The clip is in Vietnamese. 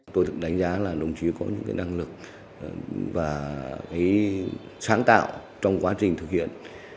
tôi được đánh giá là đồng chí có những năng lực và sáng tạo trong quá trình thực hiện